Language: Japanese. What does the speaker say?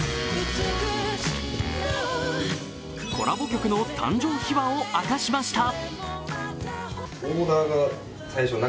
コラボ曲の誕生秘話を明かしました。